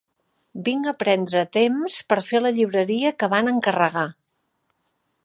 Vinc a prendre temps per fer la llibreria que van encarregar.